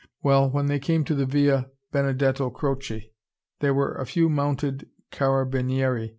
Well, when they came to the Via Benedetto Croce, there were a few mounted carabinieri.